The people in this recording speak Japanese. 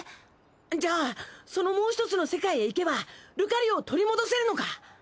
じゃあそのもう１つの世界へ行けばルカリオを取り戻せるのか？